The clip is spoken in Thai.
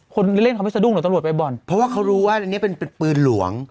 คนเล่นเขาไม่สะดุ้งหรือตำรวจไปบ่อนเพราะว่าเขารู้ว่าอันนี้เป็นปืนหลวง